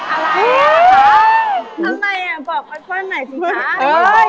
อะไรอ่ะบอกไอ้ควัลไหนถึงชั้น